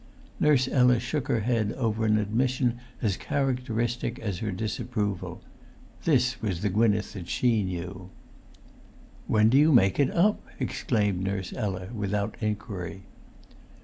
Nurse Ella shook her head over an admission as characteristic as her disapproval. This was the Gwynneth that she knew. "When do you make it up!" exclaimed Nurse Ella without inquiry.